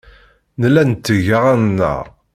Nella netteg aɣan-nneɣ.